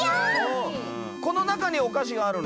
この中にお菓子があるの？